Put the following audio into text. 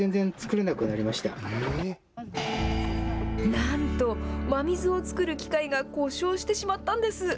なんと、真水を作る機械が故障してしまったんです。